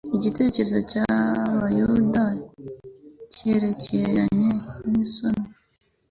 Igitekerezo cy'Abayuda cyerekeranye n'isano